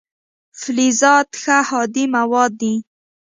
فلزات ښه هادي مواد دي.